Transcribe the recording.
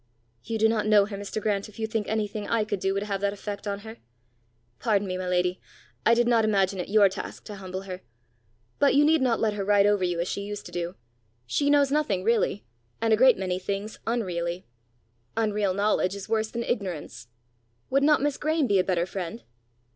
"You do not know her, Mr. Grant, if you think anything I could do would have that effect on her." "Pardon me, my lady; I did not imagine it your task to humble her! But you need not let her ride over you as she used to do; she knows nothing really, and a great many things unreally. Unreal knowledge is worse than ignorance. Would not Miss Graeme be a better friend?"